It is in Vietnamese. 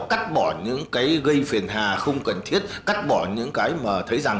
cắt bỏ những cái gây phiền hà không cần thiết cắt bỏ những cái mà thấy rằng